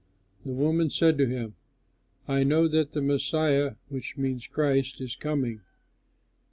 The woman said to him, "I know that the Messiah (which means Christ) is coming.